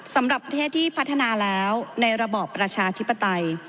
ประเทศที่พัฒนาแล้วในระบอบประชาธิปไตย